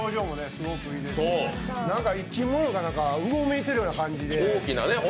顔の表情もすごくいいですし生き物なのか、うごめいてるような感じで。